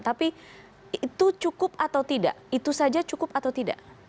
tapi itu cukup atau tidak itu saja cukup atau tidak